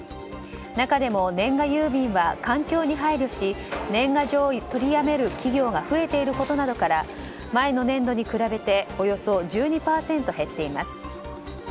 中でも年賀郵便は、環境に配慮し年賀状を取りやめる企業が増えていることなどから前の年度に比べておよそ１２％減っています。